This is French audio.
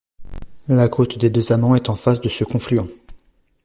La côte des Deux-Amants est en face de ce confluent.